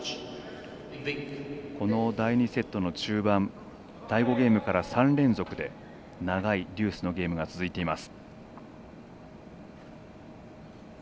この第２セットの中盤第５ゲームから３連続で長いデュースのゲームが続いています。